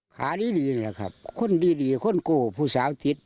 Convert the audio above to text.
ขาดีนี่แหละครับคนดีคนกู้ผู้สาวจิต